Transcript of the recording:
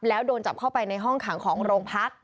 แล้วโดนจับเข้าไปในห้องขังของโรงพัก